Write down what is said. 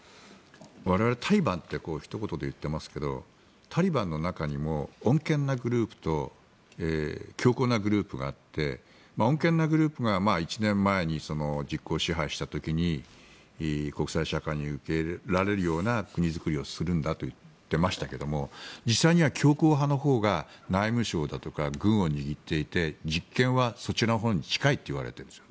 我々、タリバンってひと言で言っていますけどタリバンの中にも穏健なグループと強硬なグループがあって穏健なグループが１年前に実効支配した時に国際社会に受け入れられるような国作りをするんだと言っていましたが実際には強硬派のほうが内務省とか軍を握っていて実権はそっちのほうと近いといわれているんです。